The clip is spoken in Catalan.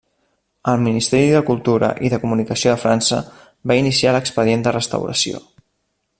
El ministeri de Cultura i de Comunicació de França va iniciar l'expedient de restauració.